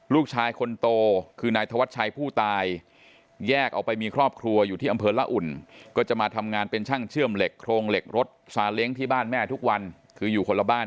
ลูกชายคนโตคือนายธวัชชัยผู้ตายแยกออกไปมีครอบครัวอยู่ที่อำเภอละอุ่นก็จะมาทำงานเป็นช่างเชื่อมเหล็กโครงเหล็กรถซาเล้งที่บ้านแม่ทุกวันคืออยู่คนละบ้าน